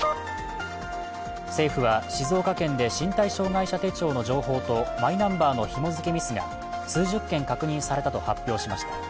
政府は、静岡県で身体障害者手帳の情報とマイナンバーのひも付けミスが数十件確認されたと発表しました。